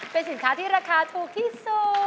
เป็นสินค้าที่ราคาถูกที่สุด